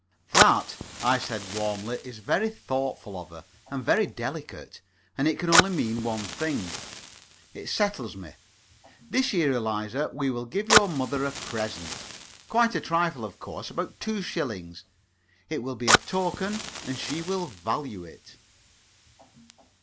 "That," I said, warmly, "is very thoughtful of her, and very delicate, and it can only mean one thing. It settles me. This year, Eliza, we will give your mother a present. Quite a trifle, of course about two shillings. It will be a token, and she will value it."